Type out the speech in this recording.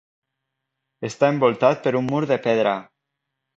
Està envoltat per un mur de pedra.